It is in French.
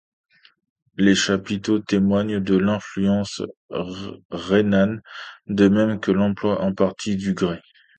Les chapiteaux témoignent de l'influence rhénane de même que l'emploi en partie du grès.